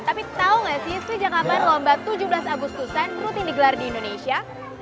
tapi tau gak sih sejak kapan lomba tujuh belas agustusan rutin digelar di indonesia